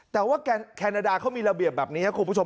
แต่ว่าแคนาดาเขามีระเบียบแบบนี้ครับคุณผู้ชม